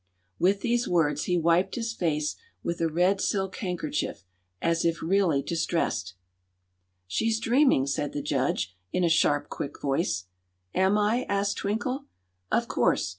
With these words he wiped his face with a red silk handkerchief, as if really distressed. "She's dreaming," said the judge, in a sharp, quick voice. "Am I?" asked Twinkle. "Of course.